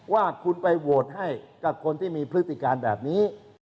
ว่าคุณไปโหวตให้กับคนที่มีพฤติการแบบนี้